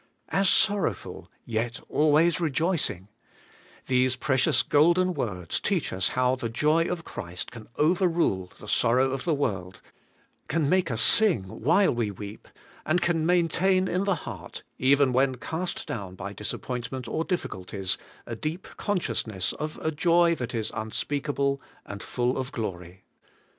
'As sorrowful, yet always rejoicing:^ these precious golden words teach us how the joy of Christ can overrule the sorrow of the world, can make us sing while we weep, and can maintain in the heart, even when cast down by disappointment or difficulties, a deep conscious ness of a joy that is unspeakable and full of glory.